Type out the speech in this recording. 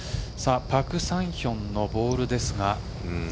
パク・サンヒョンのボールですが。